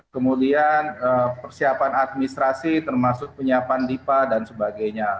kemudian persiapan administrasi termasuk penyiapan dipa dan sebagainya